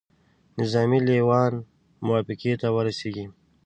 نظامي لېوان موافقې ته ورسیږي.